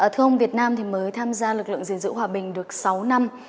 thưa ông việt nam mới tham gia lực lượng dình dữ hòa bình được sáu năm